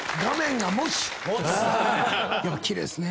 やっぱ奇麗っすね。